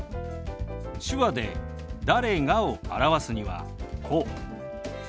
手話で「誰が」を表すにはこう。